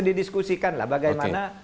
didiskusikan lah bagaimana